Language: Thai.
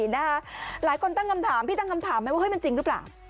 หลายคนตั้งคำถามพี่ตั้งคำถามไหมว่าเฮ้ยมันจริงหรือเปล่า